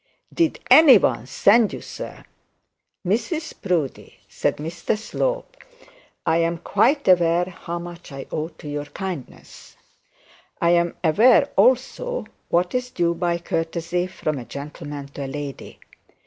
'Did anyone send you, sir?' 'Mrs Proudie,' said Mr Slope, 'I am quite aware how much I owe to your kindness. I am aware also what is due by courtesy from a gentleman to a lady.